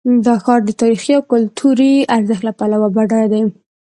دا ښار د تاریخي او کلتوري ارزښت له پلوه بډایه دی.